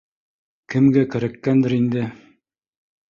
— Кемгә кәрәккәндер инде